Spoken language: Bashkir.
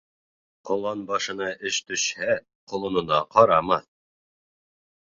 Ҡолан башына эш төшһә, ҡолонона ҡарамаҫ.